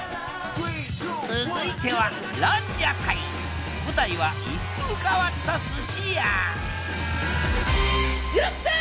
続いては舞台は一風変わった寿司屋いらっしゃい！